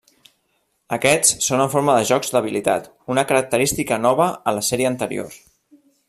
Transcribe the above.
Aquests són en forma de jocs d'habilitat, una característica nova a la sèrie anterior.